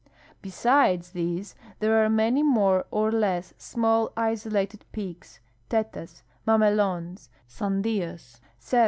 Resides these, there are many more or less small, isolated j)eaks — tetas, mamelons, sandias, cernjs, etc.